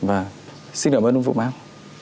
vâng xin cảm ơn ông vũ mão